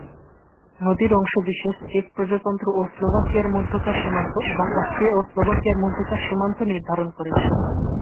নদীর অংশবিশেষ চেক প্রজাতন্ত্র ও স্লোভাকিয়ার মধ্যকার সীমান্ত এবং অস্ট্রিয়া ও স্লোভাকিয়ার মধ্যকার সীমান্ত নির্ধারণ করেছে।